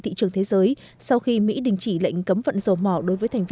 thị trường thế giới sau khi mỹ đình chỉ lệnh cấm vận dầu mỏ đối với thế giới